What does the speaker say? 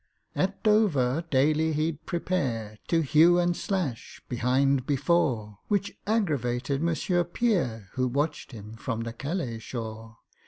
At Dover daily he'd prepare To hew and slash, behind, before— Which aggravated MONSIEUR PIERRE, Who watched him from the Calais shore.